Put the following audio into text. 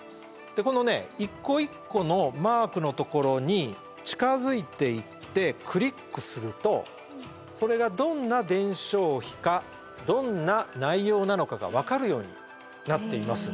このね一個一個のマークのところに近づいていってクリックするとそれがどんな伝承碑かどんな内容なのかが分かるようになっています。